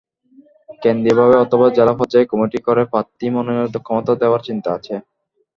কেন্দ্রীয়ভাবে অথবা জেলা পর্যায়ে কমিটি করে প্রার্থী মনোনয়নের ক্ষমতা দেওয়ার চিন্তা আছে।